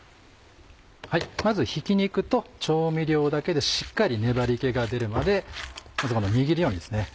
まずひき肉と調味料だけでしっかり粘り気が出るまでまず握るようにですね